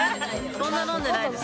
そんな飲んでないです。